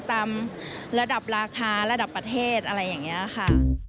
ตามระดับราคาระดับประเทศอะไรอย่างนี้ค่ะ